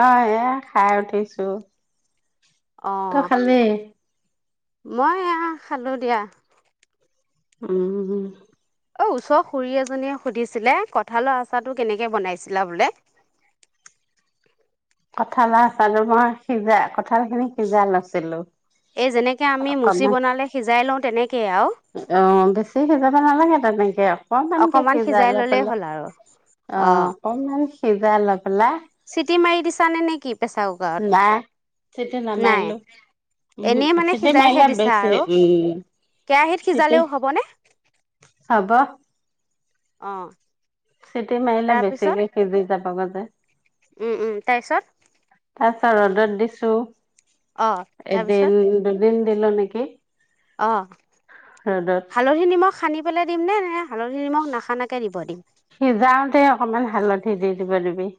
অ এয়া খাই উঠিছো ত অ', খালে মই এয়া খালোঁ দিয়া উমম অ ওচৰ খুৰী এজনীয়ে সুধিছিলে কঠালৰ আচাৰটো কেনেকে বনাইছিলা বোলে কঁঠাল আছে আৰু মই সিজা কঠাল খিনি সিজা লৈছিলো এই যেনেকে আমি মুচি অকমান বনালে সিজাই লও তেনেকেই আৰু অ বেছি সিজাব নালাগে ত তেনেকে আৰু অকনমানকে অকমান সিজাই অলপ ললেই অলপ হ'ল আৰু অ অকনমান সিজ এ ল পেলাই চিটি মাৰি দিছা নে নে কি প্ৰেছাৰ কুকাৰত? না চিতিি ন নাই মাৰলো এনেই উ মানে চিটি সিজাইহে মাৰিলা দিছা বেছি আৰু উম কেৰাহীত চিটি সিজালেও হ'বনে? হব অ চিটি মাহিলা তাৰপিছত বেছিিকে কজি যাব পগতে উম উম তাইছৰ তাৰ পাছত ৰ'দত দিছো অ তাৰপিছত দিন দিল নেকি অ ৰ'দত হালধি নিমখ খানি পেলাই দিমনে ন সিজাওতে অকমান হালধি দি বুজি পাৰিবি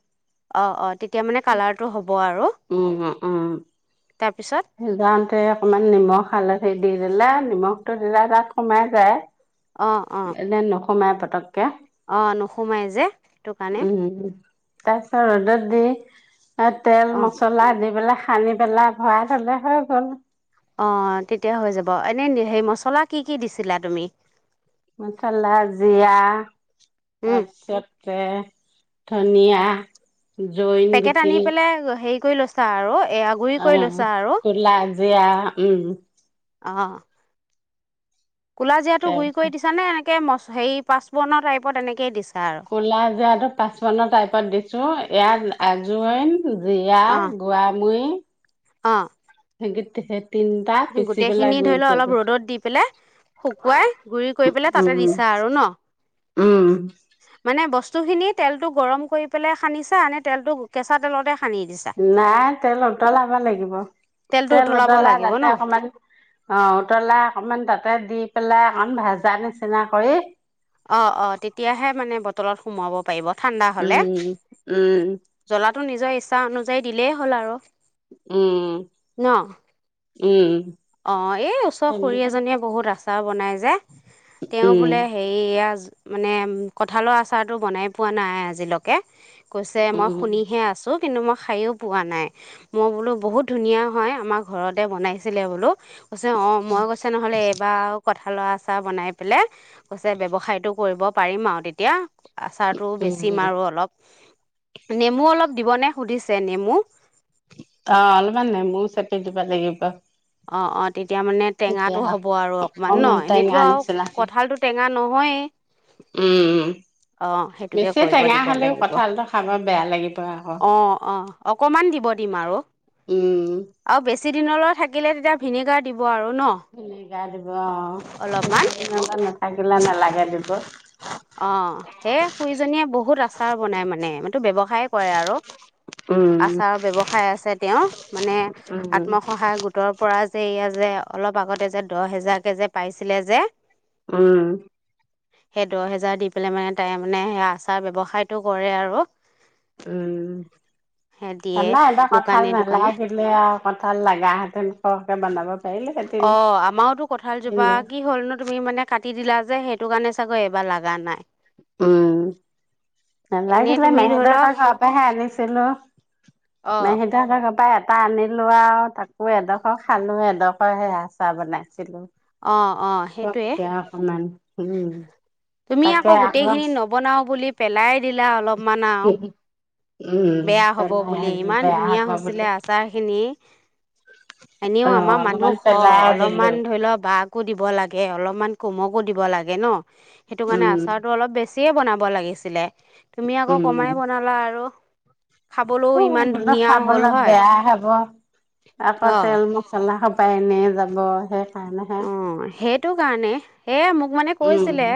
অ অ িক এতিয়া মানে কালাৰটো হ'ব আৰু তাৰপিছত সি যাওঁতে অকমান নিমখ খালে সেই দি দিলা নিমখটো দিলা তাত কমাই যায় এনে নসোমাই পাত অঁ নোসোমাই যে, সেটো কাৰণে। তাৰ পিছত ৰ'দত দি এ তেল অ মচলা দি পেলাই সানি পেলাই ঘৰত ভাঁলে হৈ গ'ল। অ তেতিয়া হৈ যাব এনে সেই মচলা কি কি দিছিলা তুমি মছালা, জিৰা উম তাৰপিছতে ধনিয়া জইন পেকেট গুটি আনি পেলাই হেৰি কৰি লৈছা আৰু। এয়া গুৰি কৰি লৈছা আৰু অঁ [unintelligible] জিয়া উম। অঁ। কলা জিৰাতো গুৰি তাৰপিছত কৰি দিছা নে এনেকে [unintelligible] হেৰি পাচপুৰনৰ টাইপত এনেকেই দিছ ক'লা জিৰাটো পাঁচপূৰণৰ টাইপত দিছো, ইয়াত আজওইন জিৰা গৰামুৰি অঁ। [unintelligible] পিচি গোটেই পেলাই খিনি গুৰি ধৰি ল কৰি অলপ লৈছোঁ। ৰ'দত দি পেলাই শুকুৱাই গুৰি কৰি পেলাই তাতে উম, দিছা আৰু ন, উম, মানে বস্তু- বস্তুখিনি তেলটো গৰম কৰি পেলাই সানিচা, নে তেলটো কেঁচা তেলতে সানি দিছা নাই তেল উতলাব লাগিব, তেলটো তেল উতলাব উতলাই লাগিব তাতে ন অকমান অঁ উতলা অকমান তাতে দি পেলাই অকন ভাজা নিচিনা কৰি অঁ, অঁ, তেতিয়াহে মানে বটলত সোমাব। উম, উম। টো নিজৰ ইচ্ছা অনুযায়ী দিলেই হ'ল আৰু। উম। উম। অঁ, এই ওচৰ খুৰ তেনেকে এজনীয়ে বহুত আছে আচাৰ বনাই যে। তেওঁ উম, বোলে হেৰিয়া- মানে কঁঠালৰ আচাৰটো বনাই পোৱা নাই আজিলৈকে। কৈছে মই উম, শুনিহে আছো। কিন্তু মই খাইও পোৱা নাই, মই বোলো বহুত ধুনীয়া হয় আমাৰ ঘৰতে বনাইছিলে বো কৈছে অঁ মই কৈছে নহ'লে এইবাৰ আৰু কথা হালোৱা আচাহ বনাই পেলাই কৈছে ব্যৱসায়তটো কৰিব পাৰিম আৰু তেতিয়া- আচাৰতটো বেছি উম, মাৰো অলপ- নেমু অলপ দিবনে সুধিছে নেমু- অ অলমান নাই মোৰ চতেয়া যিবা লাগিবিব অ অ। তেতিয়া মানে টেঙাটো হ'ব আৰু অকণমান ন অকমান এনেইতো টেঙা আৰু নিচিনা কঁঠালটো টেঙা ন- গই। উম সেইটোকে বেছি কৰিব টেঙা দিব হলেও লাগিব কঠালটো খাব বেয়া লাগিব আকৌ অঁ অঁ অকণমান দিব দিম আৰু উম চিনলৈ থাকে থাকিলে তেতিয়া ভিনেগাৰ দিব আৰু ন উম গাই দিব অলপমান অ আগিলা নালাগে দিব অ সেই শুইজনীয়ে বহুত আচাৰ বনাই মানে মো ব্য়ৱসায় কৰে আৰু উম আচাৰ ব্যৱসায় আছে তেওঁৰ মানে উম আত্মসহায় গোটৰ পৰা যে এয়া যে অলপ আগতে যে দহ হেজাৰ কে যে পাইছিলে যে উম সেই দহ হেজাৰ দি পেলাই মানে তাই মানে স আচাৰ ব্য্ৱসায়তটো কৰে আৰু উম সেই দিয়ে জানাই এতিয়া কঠাল দোকানে দোকানে নেলাগ দিলে আৰু কঠাল লাগা হেতেন সৰকে বনাব পাৰিলোহেঁতেন অ আমাৰতো কঁঠালজোপা কি হ'ল নো তুমি মানে কাট ি দিলা যে সেইটো কাৰণে চাগৈ এইবাৰ লগা নাই উম ভাল এনেই লাগছিলে তুমি ধৰি মেহীদ [unintelligible] লওক এৰ ঘৰ পৰাহে আনিছিলো মে অঁ সটো এৰ [unintelligible] কাপ ইয়াত আানি লোৱা আৰু তাক এডখৰ খালো এডখ ত সে হ চাহ বনাইছিলো অঁ অঁ সেইটোৱে কে অকমান উম তাক আক গোটেই খিনি নবনাও বুলি পেলাই দিলা অলপ মানও উম বেয়া হব পেলাই বুলি আহিলো ইমান বেয়া ধুনীয়া হব হৈছিলে বুলি আচাৰ খিনি এনেও অ আমাৰ মানুহ অলপমান খহ পেলাই অলপমান দিলো ধৰি লওক তাকো দিব লাগে অলপমান কমকো দিব লাগে ন সেইটো কাৰণে উম আচাৰতটো অলপ বেছি চিয়ে বনাব লাগিছিলে তুমি আকৌ উম কমাই বনালা আৰু খাবলৈও ইমান বোলো ধুনীয়া হ'ল খাবলৈ হয় বেয়া খাব আকৌ অ তেল মচলা খাব পায়নে যাবহে অ সেইটো কাৰণে এয়া মোক মানে উম কৈছিলে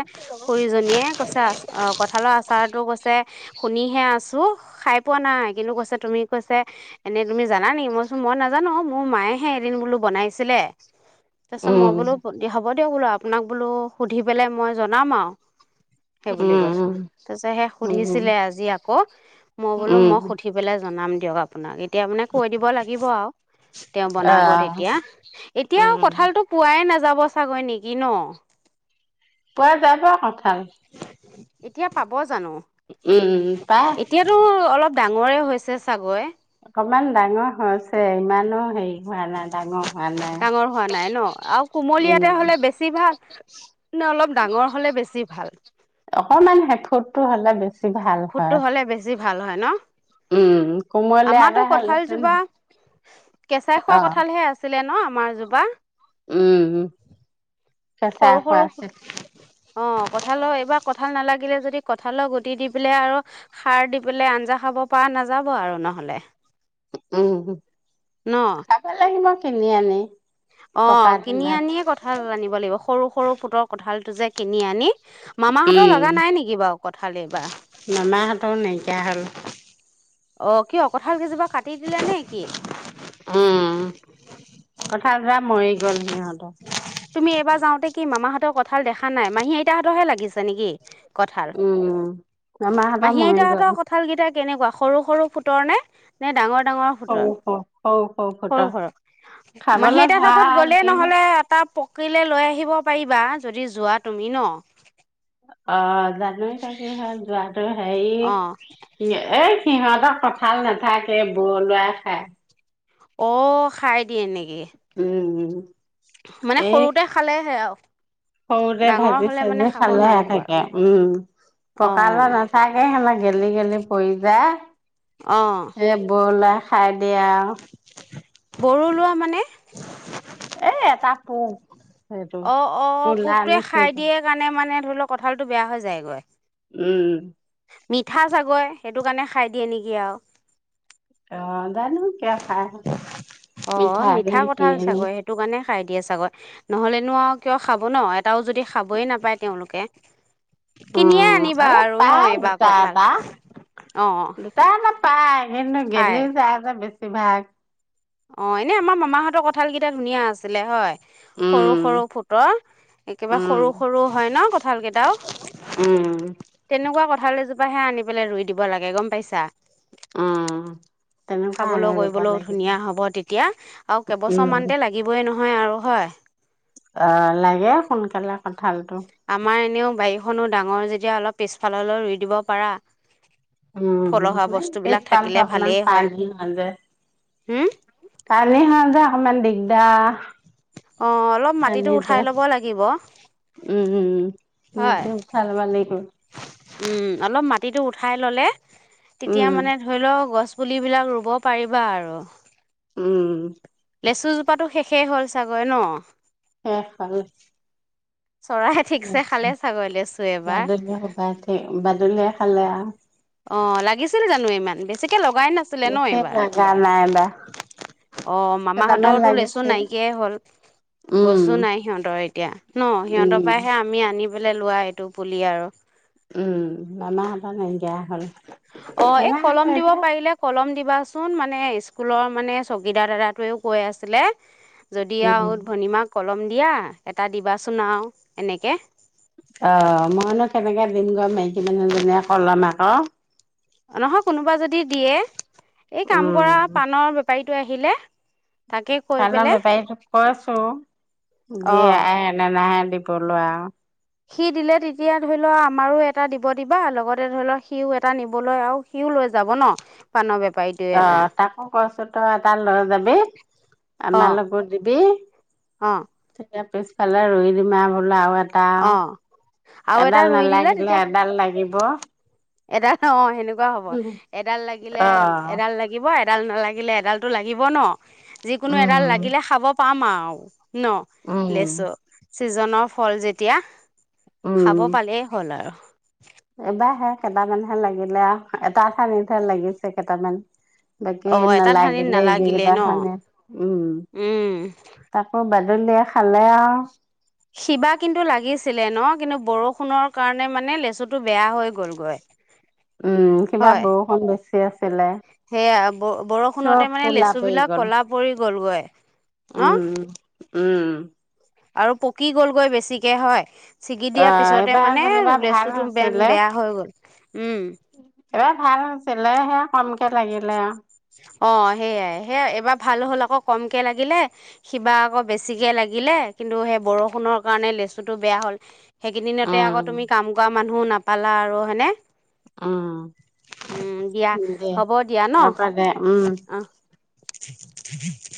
খুৰী জনীয়ে কৈছে আ কঁঠালৰ আচাৰটো কৈছে- শুনিহে আছো খাই পোৱা নাই কিন্তু কৈছে তুমি কৈছে এনেই তুমি জানানেকি মইছো মই নাজানো মোৰ মায়েহে এদিন বোলো বনাইছিলে। তাৰ পিছত মই উম বোলো দিয়া হ- দিয়ক বোলো আপোনাক বোলো সুধি পেলাই মই জনাম আৰু- সেই বুলি কৈছো উম তাৰপিছত সে উম সুধিছিলে আজি আকৌ মই উম বোলো উম মই সুধি পেলাই জনাম। [unintelligible] এতিয়া মানে কৈ দিব লাগিব আৰু তেওঁ বনাব আহ তেতিয়া এতিয়াও- উম কঠালটো পোৱাই নাযায় যাব চাগৈ নেকি ন। পুৱা যাব কঠাল এতিয়া পাব জানো উম পাই এতিয়াতো অলপ ডাঙৰে হৈছে- ছে চাগৈ- অকণমান ডাঙৰ হৈছে ইমানো হেৰি হোৱা নাই ডাঙৰ- হোৱা নাই ডাঙৰ হোৱা নাই ন আৰু কুমলীয়াতে উম হলে বেছি ভাল অলপ ডাঙৰ হলে বেছি ভাল। অকমান হেফুটটো হ'লে বেছি ভাল হয়। ফুটটো হ'লে বেছি ভাল হয় ন? উম, কোমলীয়া আমাৰো এটা হ'লেচোন কঠালজোপা কেঁচাই খোৱা অ', কঠালহে আছিলে ন? মাৰজোপা - উম উ। সৰু সৰু অ কঁঠালৰ এইবাৰ কঁঠাল নালাগিলে যদি- দি কঁঠালৰ গুটি দি পেলাই আৰু সাৰ দি পেলাই আঞ্জা খাব পৰা নাযাব আৰু নহলে। উম। ন খ ভ লাগি মই কিনি আনি - অ কিনি আনিয়ে কঁঠাল আনিব লাগিব সৰু সৰু ফুটৰ কঁঠালটো যে- কিনি আনি- মামাহঁতৰ উম, লগা নাই নেকি বাৰু কঠালি এইবাৰ? মামাহঁতো নাইকিয়া হ'ল। অ কিয় কঁঠাল কেইজোপা- কাটি দিলে নে কি? উম, কঁঠাল যা মৰি গ'ল সিহঁতৰ- তুমি এইবাৰ যাওঁতে কি মামাহঁতৰ কঁঠাল দেখা নাই মাহী এইতাহঁতহে লাগিছে নেকি? কঁঠাল উম, মামাহঁতৰ মাহী মৰি আইতাহঁতৰ গল। কঁঠালকেইটা কেনেকুৱা সৰু সৰু ফুটৰ নে নে ডাঙৰ? ডাঙৰ ফুটৰ হও হও সৰু সৰু মাহী খাবলৈ আইটাহতৰ ঘৰত ভাল গ'লে কিন্তু নহলে এটা প কাইলৈ লৈ আহিব পাৰিবা যদি যোৱা তুমি ন' অ জানো এতিয়া কি হয় যোৱা। হে অ' হেৰি এ সিহঁতৰ কঁঠাল নাথাকে ব' উলিয়াই খাই। অ খাই দিয়ে নি' উম উম [unintelligible] মানে সৰুতে খালেহে আৰু সৰুতে ডাঙৰ ভাজি হ'লে মানে চাজি খাব খালেহে নোৱাৰিব আৰু থাকে উম পকালে অ' নাথাকে সেনে গেলি গেলি পৰি অ' যায়। এ বলা খাই দিয়া বৰলুৱা মানে? এ এটা পোক। সেইটো। অ অ কোলা পোকটোৱে খাই নিচিনা দিয়ে কাণে মানে লওক কঠালতো বেয়া হৈ যায়গৈ উম। মিঠা চাগৈ। সেইটো কাৰণে খাই দিয়ে নেকি আৰু। অ জানো কিয় খাই। অ মিঠাই মিঠা নে কি কঠাল নে চাগৈ সেইটো কাণে খাই দিয়ে চাগৈ নহ'লেনো আৰু কিয় খাব ন'। এটাও যদি খাবই নাপায় তেওঁলোকে কিনিয়ে উম আনিবা এই আৰু ন পাই এইবাৰ দুটা কঁঠাল এটা অ' দুটা এটা পায় কিন্তু পাই গেলি যায় যে বেছি কিভাগ অ এনে আমাৰ মামাহঁতৰ কঁঠাল কেইটা ধুনীয়া আছিলে হয়। সৰু উম। সৰু ফুটৰ একেবাৰে উম, সৰু সৰু হয় ন' কঠাল কেইটাও উম, তেনেকুৱা কঠাল যদি কিবা হে আনি পেলাই ৰুই দিব লাগে গম পাইছা। অ খাবলৈ কৰিবলৈও ধুনীয়া হব তেতিয়া আৰু উম, কেইবছৰমান তে লাগিবই ন' হয় আৰু হয় অ লাগে সোনকালে কঁঠালটো। আমাৰ এনেও বায়ে খনো ডাঙৰ যেতিয়া অলপ পিছফাললৈ ৰুই দিব পাৰা। উম ফলহা বস্তুবিলাক টেষ্ট পাম থাকিলে অকমান ভালেই হয় পানী হলে হুম পানী হলে অকমান দিগ দা অ অলপ মাটিটো উঠাই লব লাগিব। মানে হয় চাল ভালাগ [inaudible] হয় [inaudible] উম, অলপ মাটিিতটো উঠাই ললে। তেতিয়া উম, মানে ধৰি লও, গছ পুলিবিলাক ৰুব পাৰিবা আৰু। উম। লেচু জোপাতো শেষেই হ'ল চাগৈ ন। আহ খালোঁ। চৰাই ঠিকছে খালে [unintelligible] চাগৈ লেচু এবাৰ বাদল-সবাই বাদুলিয় খালে আৰু। অ, লাগিছিল জানো ইমান। বেছি [inaudible] লিচু লগাই নাছিলে ন বেছি এইবাৰ লাগা নাই এইবাৰ। অ, কেইটামান মামাহতৰতো লেচু লাগিছিল নাইকিয়াই হ'ল। উম গছো নাই সিহঁতৰ এতিয়া ন। সিহঁতৰ উম পৰাহে আমি আনি পলে লোৱা এইটো পুলি আৰু। উম, বামাহঁতৰ নাইকিয়া হ'ল। অ, এই মামাহঁতৰ কলম দিব এতিয়া পাৰিলে, কলম দ কোৱাচোন মানে স্কুলৰ মানে চকীদাৰ দাদাটোৱেও কৈ আছিলে। যদি উম আৰু ভনমাক কলম দিয়া, এটা দিবাচোন আৰু এনেকে। অ, মইনো কেনেকে দিম গম মেকী মানহজনীয়ে কলম আকৌ। নহয় কোনোবা যদি দিয়ে। এই কাম উম কৰা পাানৰ পাৰিটো আহিলে। তাকে ক কৈ [unintelligible] ন পেলাই বেপাৰীটো কৈছো অ দিয়ে আহ, ন নাহ লৰা সি দিলে তেতিয়া ধৰি লও আমাৰো এটা দিব দিবা লগতে ধৰি লওক সিও এটা নিবলৈ আৰু সিও লৈ যায়। অ, তাকো কৈছ তই এটা লৰা যাবি অ আমাৰ লগত দিবি। অ এতিয়া পিছফালে ৰুই দিম আৰু বোললে আৰু টা অ আৰু এটা এডাল ৰুই নালাগিলে এডাল লাগিব। বহ এটা ন সেনেকুৱা [unintelligible] কুৱা হ'ব এডাল লাগিলে এডাল লাগিব। এডাল নালাগিলে, এডালটো লাগিব ন। যিকোনো এডাল উম লাগিলে খাব। পামা ন, উম লেছ ছিজনৰ ফল যেতিয়া খাব পালেই হ'ল আৰু। এইবাৰাহে কেইটামানহে লাগিলে আৰু এটাঠানতহে লাগিছে কেইটামান। বাকি অ এটা ঠানিত নালাগিলে নালাগিলে ন এইগেইটাখে উম উম তাকো বাদ- লে খালে আও- শিবাৰ কিন্তু লাগিছিলে ন? কিন্তু বৰষুণৰ কাৰণে মানে লেচুটো বেয়া হৈ গ'লগৈ। উম কিবা হয় বৰষুণ বেছি। তাকে- সেয়া বৰষুণতে মানে ক'লা লেচু পৰি বিলাক গ'ল কলা পৰি গ'লগৈ ন? উম। উম। আৰু পকি গ'লগৈ বেছিকে হয়? ছিগি অ দিয়াৰ পিছতে এইবাৰ মানে যেনিবা লেচুটো বে বেয়া হৈ গ'ল। উম এবাৰ ভাল নাছিলে সে কম-। কে লাগিলে। অ সেয়াই সেয় এইবাৰ ভাল হল আকৌ কমকে লাগিলে সিবাৰ আকৌ বেছিকে লাগিলে। কিন্তু সেই বৰষুণৰ কাৰণে লেচুটো বেয়া হল। সেইকেইদিনতে আকৌ উম। তুমি কাম কৰা-। মানুহ নাপালা আৰু হয়নে? উম উম দিয়া দে হব দিয়া ন। হ'ব দে উম। উহ। [unintelligible]